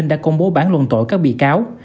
đã công bố bán luận tội các bị cáo